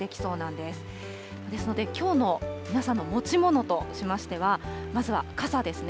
ですので、きょうの皆さんの持ち物としましては、まずは傘ですね。